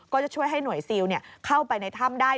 ก็จะช่วยให้หน่วยซิลเข้าไปในถ้ำได้